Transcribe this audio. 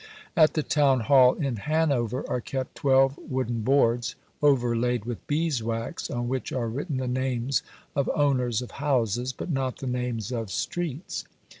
At the town hall, in Hanover, are kept twelve wooden boards, overlaid with bees' wax, on which are written the names of owners of houses, but not the names of streets.